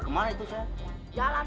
kemarin itu saya jalan jalan